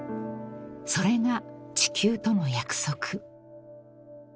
［それが地球との約束］